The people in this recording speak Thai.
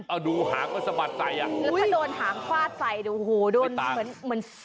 เอาดูหางมันสะบัดใสอ่ะถ้าโดนหางควาดใสดูโหด้มเหมือนเหมือน